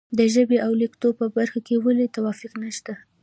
د ژبې او لیکدود په برخه کې ولې توافق نشته.